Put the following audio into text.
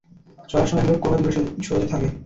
চলার সময় এগুলো ক্রমে দূরে সরে যেতে থাকে।